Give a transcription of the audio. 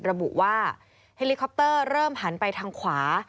ระบุว่าเฮลิคอปเตอร์เริ่มหันไปทางขวา